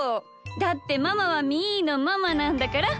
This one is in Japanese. だってママはみーのママなんだから。